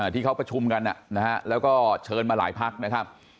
ที่เขาประชุมกันแล้วก็เชิญมาหลายพักนะครับ